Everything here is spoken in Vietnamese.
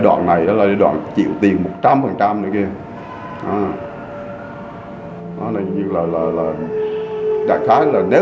do vậy cái nghị lực của các con